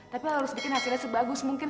tapi harus bikin hasilnya sebagus mungkin